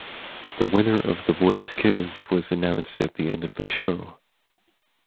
The winner of The Voice Kids was announced at the end of the show.